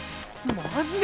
マジで！？